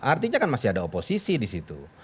artinya kan masih ada oposisi disitu